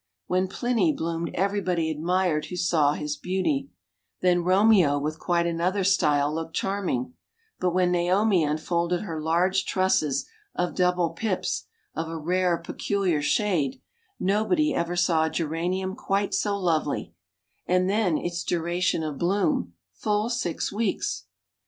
When Pliny bloomed everybody admired who saw his beauty; then Romeo with quite another style looked charming, but when Naomi unfolded her large trusses of double pips, of a rare, peculiar shade, nobody ever saw a geranium quite so lovely, and then its duration of bloom full six weeks!